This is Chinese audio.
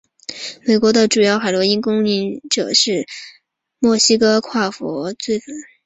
美国的主要海洛因供应者是墨西哥跨国犯罪集团。